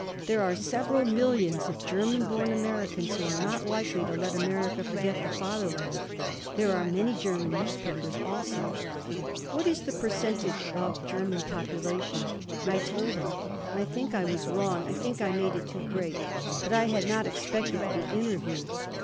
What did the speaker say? There are several millions of German born Americans who are not likely to let America forget the Fatherland. There are many German newspapers also." "What is the percentage of German population?" I told him. I think I was wrong. I think I made it too great. But I had not expected to be interviewed.